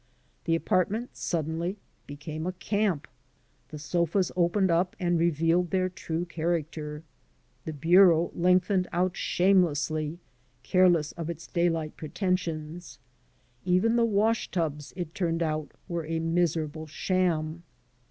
The apartment suddenly became a camp. The sofas opened up and revealed their true character. The bureau lengthened out shamelessly, careless of its daylight pretensions. Even the wash tubs, it turned out, were a miserable sham.